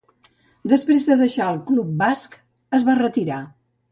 Després de deixar el club basc, es va retirar.